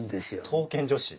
刀剣女子？